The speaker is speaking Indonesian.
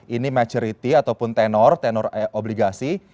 ini majority ataupun tenor tenor obligasi